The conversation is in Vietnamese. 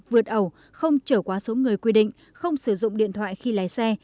vượt ẩu không trở quá số người quy định không sử dụng điện thoại khi lái xe